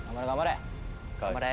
頑張れ。